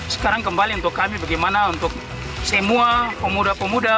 sekarang kembali untuk kami bagaimana untuk semua pemuda pemuda